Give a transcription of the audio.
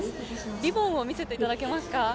リボンを見せていただけますか。